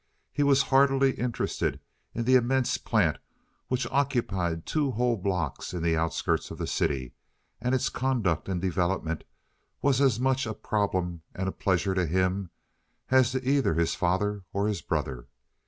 He was heartily interested in the immense plant, which occupied two whole blocks in the outskirts of the city, and its conduct and development was as much a problem and a pleasure to him as to either his father or his brother.